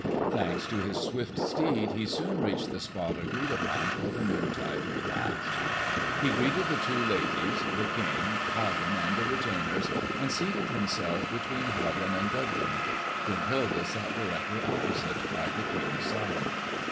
Thanks to his swift steed he soon reached the spot agreed upon for the noontide repast. He greeted the two ladies, the King, Hagen and the retainers, and seated himself between Hagen and Gudrun. Brunhilde sat directly opposite, by the King's side.